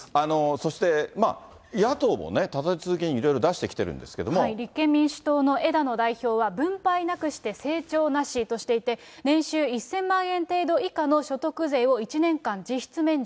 そして、野党もね、立て続けにいろいろ出してきてるんですけ立憲民主党の枝野代表は、分配なくして成長なしとしていて、年収１０００万円程度以下の所得税を１年間、実質免除。